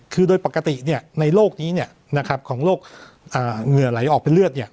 คือโดยปกติเนี่ยในโลกนี้เนี่ยนะครับของโลกอ่าเหงื่อไหลออกเป็นเลือดเนี่ย